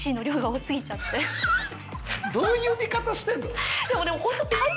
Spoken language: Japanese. どういう見方してるの？